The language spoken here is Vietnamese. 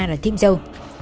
là thêm dâu